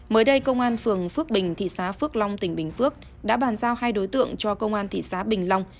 mới đây công an phường phước bình thị xã phước long tỉnh bình phước đã bàn giao hai đối tượng cho công an thị xã bình long